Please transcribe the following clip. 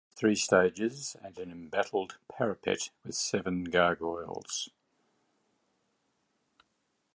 It has three stages and an embattled parapet with seven gargoyles.